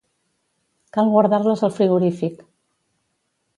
Cal guardar-les al frigorífic.